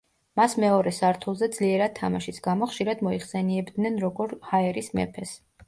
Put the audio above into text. მას მეორე სართულზე ძლიერად თამაშის გამო, ხშირად მოიხსენიებდნენ, როგორ ჰაერის მეფეს.